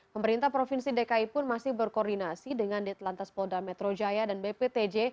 pemerintah provinsi dki pun masih berkoordinasi dengan ditelantas polda metro jaya dan bptj